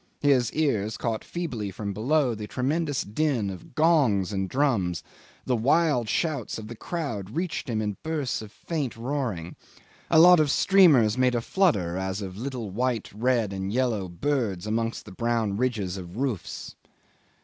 His ears caught feebly from below the tremendous din of gongs and drums; the wild shouts of the crowd reached him in bursts of faint roaring. A lot of streamers made a flutter as of little white, red, yellow birds amongst the brown ridges of roofs.